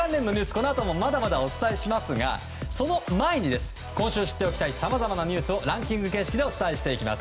このあともまだまだお伝えしますがその前にその前に今週知っておきたいさまざまなニュースをランキング形式でお伝えしていきます。